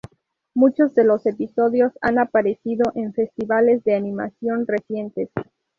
Muchos de los episodios han aparecido en festivales de animación recientes.